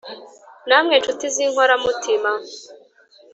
namwe nshuti z’inkora mutima